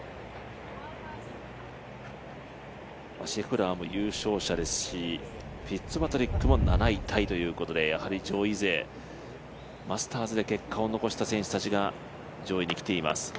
シェフラーも優勝者ですし、フィッツパトリックも７位タイということでやはり上位勢マスターズで結果を残した選手たちが上位に来ています。